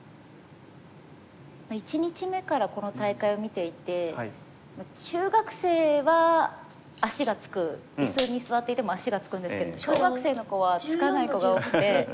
１日目からこの大会を見ていて中学生は足がつく椅子に座っていても足がつくんですけど小学生の子はつかない子が多くて。